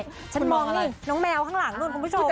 ฉันมองนี่น้องแมวข้างหลังนู่นคุณผู้ชม